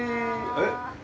えっ？